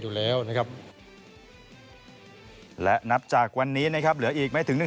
อยู่แล้วนะครับและนับจากวันนี้นะครับเหลืออีกไม่ถึงหนึ่ง